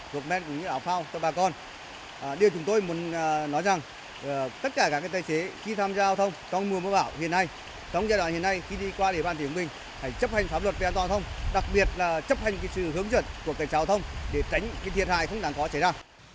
điều chúng tôi muốn nói rằng tất cả các tài xế khi tham gia giao thông trong mùa mưa bão hiện nay trong giai đoạn hiện nay khi đi qua đề bàn thị hồng bình hãy chấp hành pháp luật về an toàn giao thông đặc biệt là chấp hành sự hướng dẫn của cái giao thông để tránh cái thiệt hại không đáng khó chảy ra